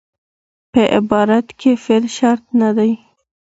په عبارت کښي فعل شرط نه دئ.